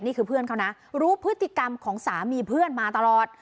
นี่คือเพื่อนเขานะรู้พฤติกรรมของสามีเพื่อนมาตลอด